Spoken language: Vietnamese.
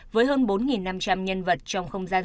với hơn bốn năm trăm linh nhân vật trong không gian